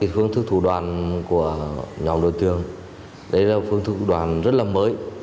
phương thức thủ đoàn của nhóm đối tượng đây là phương thức thủ đoàn rất là mới